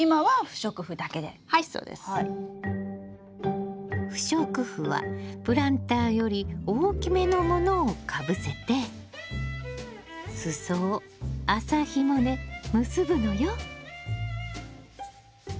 不織布はプランターより大きめのものをかぶせて裾を麻ひもで結ぶのよ。